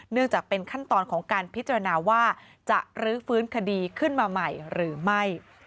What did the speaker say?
จากเป็นขั้นตอนของการพิจารณาว่าจะรื้อฟื้นคดีขึ้นมาใหม่หรือไม่